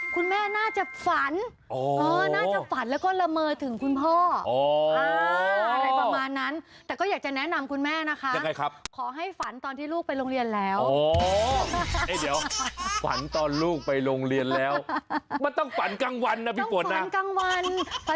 ก็คลิปน่ารักเด็กมันขี้สงสัยอะเนาะ